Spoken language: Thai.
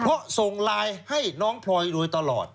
เพราะส่งไลน์ให้น้องพลอยโดยตลอด